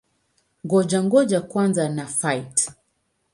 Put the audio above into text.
Ngoja-ngoja kwanza na-fight!